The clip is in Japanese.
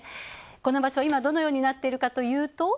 この場所、今、どのようになっているかというと。